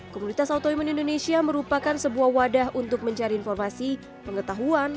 komunitas autoimun indonesia merupakan sebuah wadah untuk mencari informasi pengetahuan